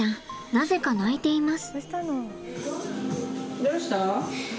なぜか泣いています。